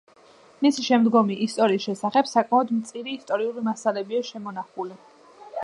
მისი შემდგომი ისტორიის შესახებ საკმაოდ მწირი ისტორიული მასალებია შემონახული.